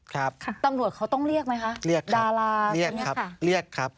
ครับค่ะตำรวจเขาต้องเรียกไหมคะเรียกได้ดาราเรียกครับเรียกครับ